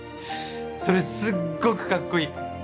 それすっごくかっこいい！